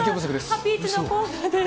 ハピイチのコーナーです。